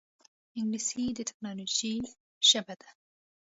انګلیسي د ټکنالوجۍ ژبه ده